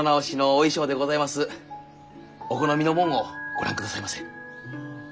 お好みのもんをご覧くださいませ。